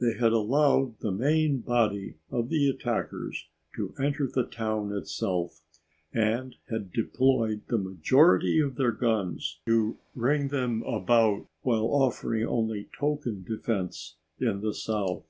They had allowed the main body of the attackers to enter the town itself and had deployed the majority of their guns to ring them about, while offering only token defense on the south.